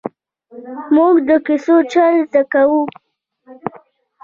ـ مونږ د کیسو چل زده کاوه!